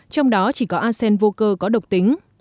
trong đó chỉ có arsen vô cơ có độc tính